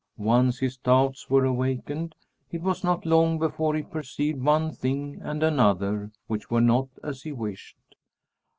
Once his doubts were awakened, it was not long before he perceived one thing and another which were not as he wished.